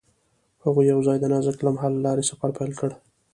هغوی یوځای د نازک لمحه له لارې سفر پیل کړ.